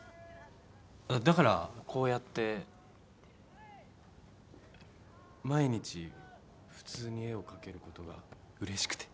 だからこうやって毎日普通に絵を描けることがうれしくて。